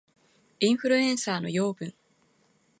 インフルエンサーの養分